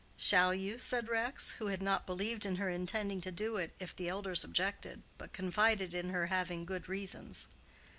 "Shall you?" said Rex, who had not believed in her intending to do it if the elders objected, but confided in her having good reasons.